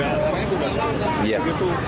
sekarang itu basah